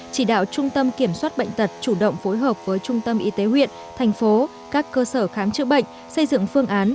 chỉ đạo trung tâm kiểm soát bệnh tật chủ động phối hợp với trung tâm y tế huyện thành phố các cơ sở khám chữa bệnh xây dựng phương án